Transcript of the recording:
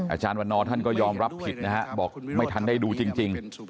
อาจารย์วันนอร์ท่านก็ยอมรับผิดนะฮะบอกไม่ทันได้ดูจริง